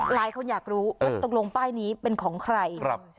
หลายคนอยากรู้ว่าตกลงป้ายนี้เป็นของใคร